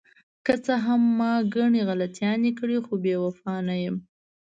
که څه هم ما ګڼې غلطیانې کړې، خو بې وفا نه یم.